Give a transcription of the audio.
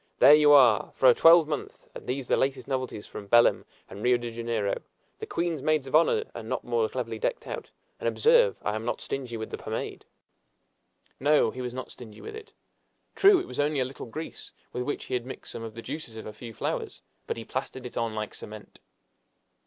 There you are, for a twelvemonth! and these are the latest novelties from Belem and Rio de Janeiro! The queen's maids of honor are not more cleverly decked out; and observe, I am not stingy with the pomade!" No, he was not stingy with it. True, it was only a little grease, with which he had mixed some of the juices of a few flowers, but he plastered it on like cement!